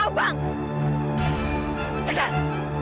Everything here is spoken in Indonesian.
semua berarti rekayasa abang